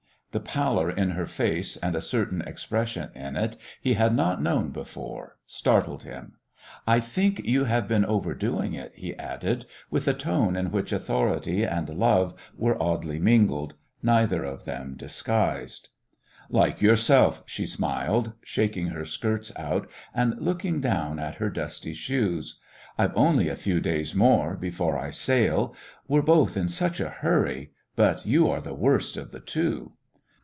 The pallor in her face, and a certain expression in it he had not known before, startled him. "I think you have been overdoing it," he added, with a tone in which authority and love were oddly mingled, neither of them disguised. "Like yourself," she smiled, shaking her skirts out and looking down at her dusty shoes. "I've only a few days more before I sail. We're both in such a hurry, but you are the worst of the two."